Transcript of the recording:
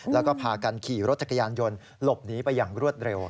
แล้วก็พากันขี่รถจักรยานยนต์หลบหนีไปอย่างรวดเร็ว